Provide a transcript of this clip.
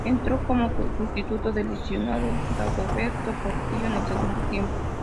Entró como sustituto del lesionado Dagoberto Portillo en el segundo tiempo.